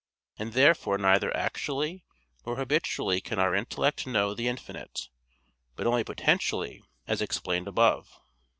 And therefore neither actually nor habitually can our intellect know the infinite, but only potentially as explained above.